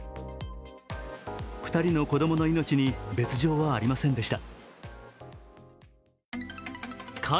２人の子供の命に別状はありませんでした。